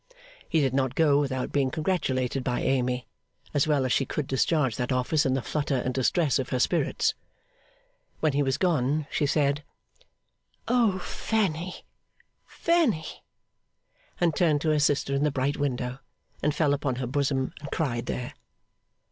He did not go without being congratulated by Amy, as well as she could discharge that office in the flutter and distress of her spirits. When he was gone, she said, 'O Fanny, Fanny!' and turned to her sister in the bright window, and fell upon her bosom and cried there.